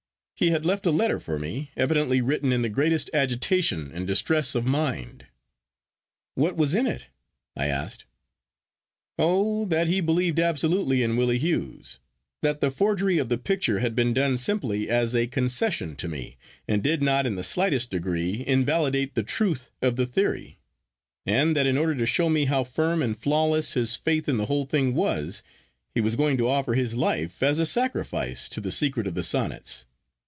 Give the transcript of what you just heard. He had left a letter for me, evidently written in the greatest agitation and distress of mind.' 'What was in it?' I asked. 'Oh, that he believed absolutely in Willie Hughes; that the forgery of the picture had been done simply as a concession to me, and did not in the slightest degree invalidate the truth of the theory; and, that in order to show me how firm and flawless his faith in the whole thing was, he was going to offer his life as a sacrifice to the secret of the Sonnets.